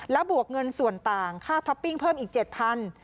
และบวกเงินส่วนต่างค่าท็อปปิ้งเพิ่มอีก๗๐๐บาท